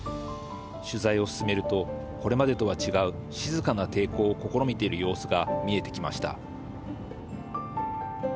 取材を進めるとこれまでとは違う「静かな抵抗」を試みている様子が見えてきました。